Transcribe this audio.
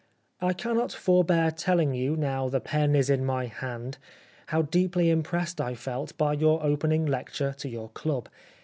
" I cannot forbear telling you, now the pen is in my hand, how deeply impressed I felt by your opening lecture to your club.